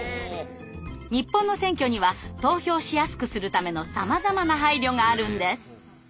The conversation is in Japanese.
日本の選挙には投票しやすくするためのさまざまな配慮があるんです！